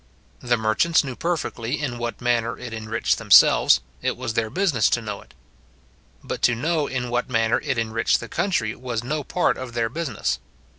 The merchants knew perfectly in what manner it enriched themselves, it was their business to know it. But to know in what manner it enriched the country, was no part of their business.